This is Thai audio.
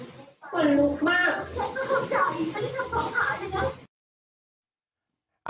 เฉ็คก็เข้าใจท่านดูทำร้องหาด้วยนะ